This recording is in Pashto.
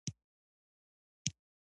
موبایل کې موسیقي هم اورېدل کېږي.